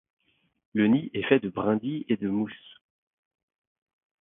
Le nid est fait de brindilles et de mousses.